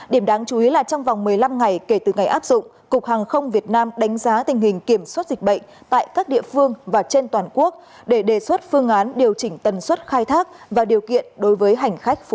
điểm đáng chú ý là trong vòng một mươi năm ngày kể từ ngày áp dụng cục hàng không việt nam đánh giá tình hình kiểm soát dịch bệnh tại các địa phương và trên toàn quốc để đề xuất phương án điều chỉnh tần suất khai thác và điều kiện đối với hành khách